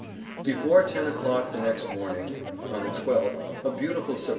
Before 10 o'clock the next morning, on the 12th, a beautiful Sept.